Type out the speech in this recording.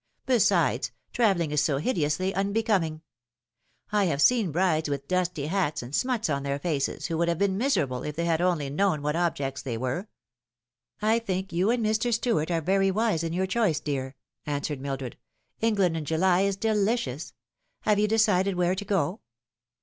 Besides, travelling is so hideously unbecoming. I have seen brides with dusty hats and smuts on their faces who would have been miserable if they had only known what objects they were." "I think you and Mr. Stuart are very wise in your choice, dear," answered Mildred. " England in July is delicious. Have you decided where to go